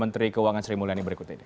menteri keuangan sri mulyani berikut ini